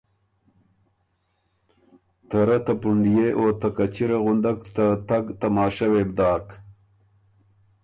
ته رۀ ته پُنډئے او ته کچِره غندک ته تګ تماشۀ وې بو داک۔